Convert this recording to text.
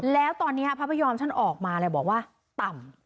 แล้วตอนนี้ภาพยอมชั้นออกมาแล้วบอกว่าต่ำ